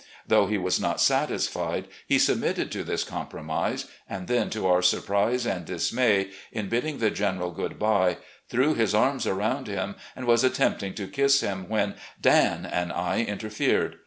Though he was not satisfied, he submitted to this com promise, and then to our surprise and dismay, in bidding the General good bye, threw his arms aroimd him and was attempting to kiss him, when "Dan" and I inter fered.